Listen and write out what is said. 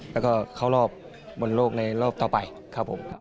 เละก็เข้ารอบบนโลกในรอบต่อไปครับผม